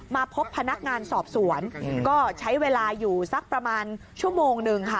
มาพบพนักงานสอบสวนก็ใช้เวลาอยู่สักประมาณชั่วโมงนึงค่ะ